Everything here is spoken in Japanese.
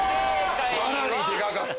さらにデカかった。